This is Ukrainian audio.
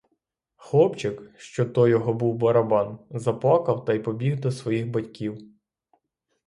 Хлопчик, що то його був барабан, заплакав та й побіг до своїх батьків.